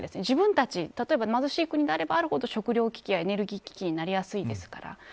自分たち例えば貧しい国であればあるほど食糧危機やエネルギー危機になりやすいですから。